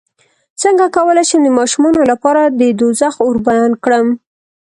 څنګه کولی شم د ماشومانو لپاره د دوزخ اور بیان کړم